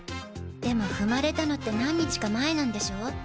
でも踏まれたのって何日か前なんでしょ？